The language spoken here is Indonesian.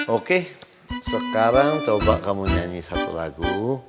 oke sekarang coba kamu nyanyi satu lagu